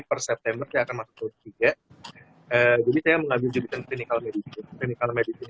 per september saya akan masuk ke tahun ketiga jadi saya mengambil jurusan clinical medicine clinical medicine